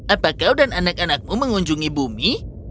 apa kau dan anak anakmu mengunjungi bumi